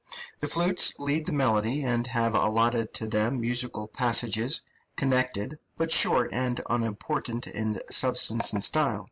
The flutes lead the melody, and have allotted to them musical passages, connected, but short and unimportant in substance and style.